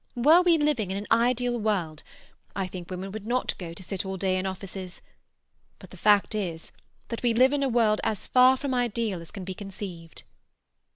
Were we living in an ideal world, I think women would not go to sit all day in offices. But the fact is that we live in a world as far from ideal as can be conceived.